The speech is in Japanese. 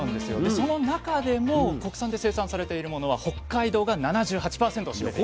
その中でも国産で生産されているものは北海道が７８％を占めているんです。